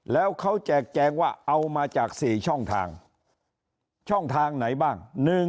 แล้วเขาแจกแจงว่าเอามาจาก๔ช่องทางช่องทางไหนบ้าง